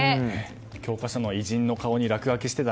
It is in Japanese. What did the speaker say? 教科書の偉人の顔に落書きしていた